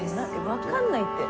分かんないって。